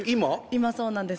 今そうなんです。